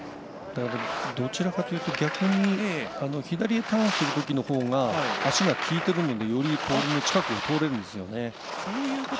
どちらかというと左にターンするときのほうが足が利いているのでよりポールの近くを通れるんですよね。